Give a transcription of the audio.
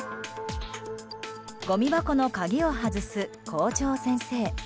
ゴミ箱の鍵を外す校長先生。